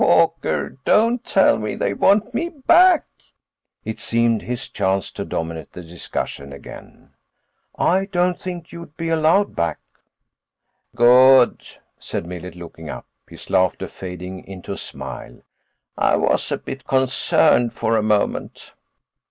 "Walker, don't tell me they want me back!" It seemed his chance to dominate the discussion again. "I don't think you'd be allowed back." "Good," said Millet, looking up, his laughter fading into a smile. "I was a bit concerned for a moment."